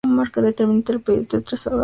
detener el proyecto de un trazado de líneas